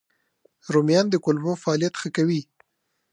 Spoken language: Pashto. رومیان د کولمو فعالیت ښه کوي